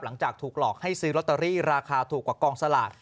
หลังจากถูกหลอกให้ซื้อลอตเตอรี่ราคาถูกกว่ากองสลาก